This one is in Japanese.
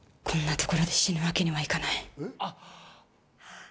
こんなところで死ぬわけにはいかない。